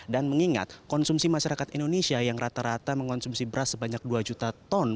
dan mengingat konsumsi masyarakat indonesia yang rata rata mengonsumsi beras sebanyak dua juta ton